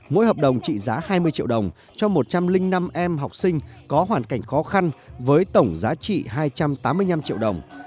mỗi hợp đồng trị giá hai mươi triệu đồng cho một trăm linh năm em học sinh có hoàn cảnh khó khăn với tổng giá trị hai trăm tám mươi năm triệu đồng